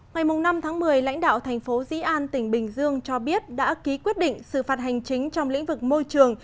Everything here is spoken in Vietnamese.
ngày năm tháng một mươi lãnh đạo thành phố dĩ an tỉnh bình dương cho biết đã ký quyết định xử phạt hành chính trong lĩnh vực môi trường